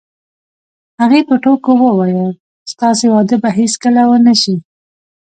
هغې په ټوکو وویل: ستاسې واده به هیڅکله ونه شي.